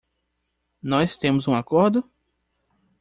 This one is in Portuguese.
Nós temos um acordo?